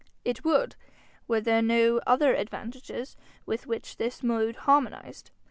'It would, were there no other advantages with which this mode harmonised.